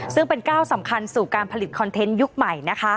ซึ่งเป็นก้าวสำคัญสู่การผลิตคอนเทนต์ยุคใหม่